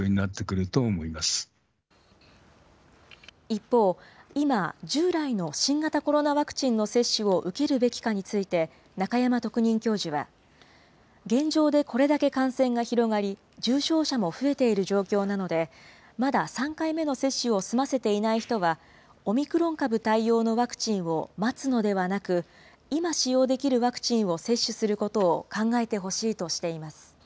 一方、今、従来の新型コロナワクチンの接種を受けるべきかについて、中山特任教授は、現状でこれだけ感染が広がり、重症者も増えている状況なので、まだ３回目の接種を済ませていない人は、オミクロン株対応のワクチンを待つのではなく、今使用できるワクチンを接種することを考